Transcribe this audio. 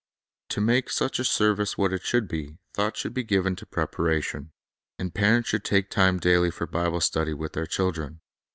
To make such a service what it should be, thought should be given to preparation. And parents should take time daily for Bible study with their children.